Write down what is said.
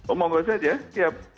oh mau gue lihat ya siap